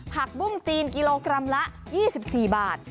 ผักบุ้งจีนกิโลกรัมละ๒๔บาท